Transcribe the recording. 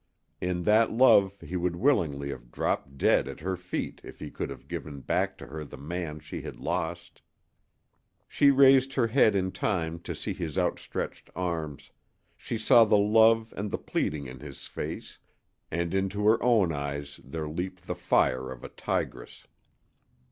In that love he would willingly have dropped dead at her feet if he could have given back to her the man she had lost. She raised her head in time to see his outstretched arms, she saw the love and the pleading in his face, and into her own eyes there leaped the fire of a tigress.